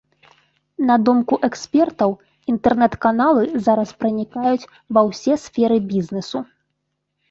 На думку экспертаў, інтэрнэт-каналы зараз пранікаюць ва ўсе сферы бізнесу.